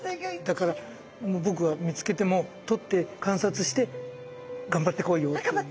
だから僕は見つけても捕って観察して頑張ってこいよっていう。